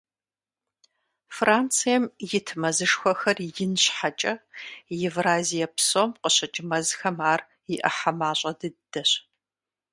Францием ит мэзышхуэхэр ин щхьэкӀэ, Евразие псом къыщыкӀ мэзхэм ар и Ӏыхьэ мащӀэ дыдэщ.